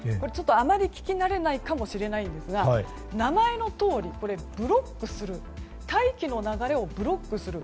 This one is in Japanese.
あまり聞き慣れないかもしれないんですが名前のとおり大気の流れをブロックする。